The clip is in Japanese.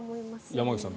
山口さん